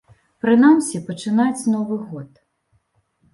Прынамсі, пачынаць новы год.